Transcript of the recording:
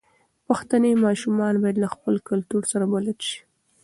پښتني ماشومان بايد له خپل کلتور سره بلد شي.